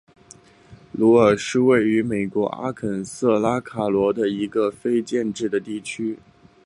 鲁尔是位于美国阿肯色州卡罗尔县的一个非建制地区。